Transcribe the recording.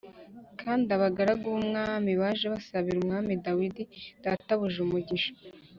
Kandi abagaragu b’umwami baje basabira Umwami Dawidi databuja umugisha